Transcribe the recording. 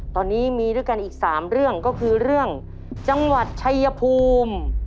ตอนนี้มีด้วยกันอีก๓เรื่องก็คือเรื่องจังหวัดชัยภูมิ